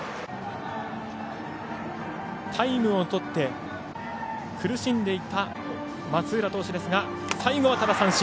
タイムをとって苦しんでいた松浦投手ですが最後は三振。